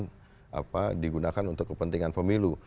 ketika kita berpikir bahwa kita sudah mengambil kepentingan pemilu